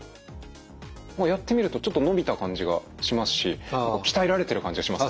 やってみるとちょっと伸びた感じがしますし鍛えられてる感じがします。